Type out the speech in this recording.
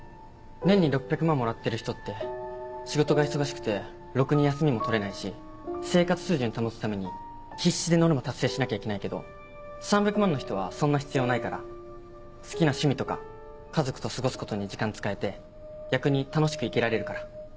年に６００万もらってる人って仕事が忙しくてろくに休みも取れないし生活水準保つために必死でノルマ達成しなきゃいけないけど３００万の人はそんな必要ないから好きな趣味とか家族と過ごすことに時間使えて逆に楽しく生きられるから。